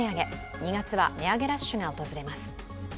２月は値上げラッシュが訪れます。